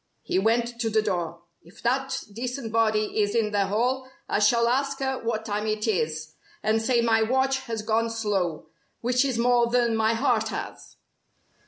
He went to the door. "If that decent body is in the hall, I shall ask her what time it is, and say my watch has gone slow which is more than my heart has!"